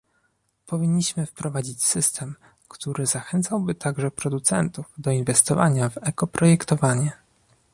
Powinniśmy wprowadzić system, który zachęcałyby także producentów do inwestowania w ekoprojektowanie